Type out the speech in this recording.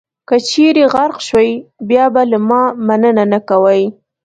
که چېرې غرق شوئ، بیا به له ما مننه نه کوئ.